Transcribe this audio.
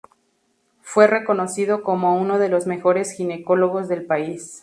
Fue reconocido como uno de los mejores ginecólogos del país.